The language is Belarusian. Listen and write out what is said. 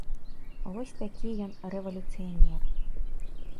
Вось такі ён рэвалюцыянер.